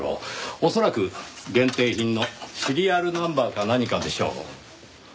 恐らく限定品のシリアルナンバーか何かでしょう。